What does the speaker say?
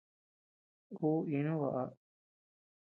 Uu íinu baʼa.